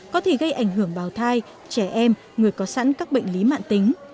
có thể gây ảnh hưởng bào thai trẻ em người có sẵn các bệnh lý mạng tính